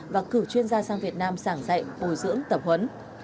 và cử chuyên gia sang việt nam sảng dạy bồi dưỡng tập huấn